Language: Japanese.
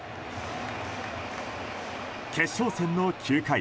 決勝戦の９回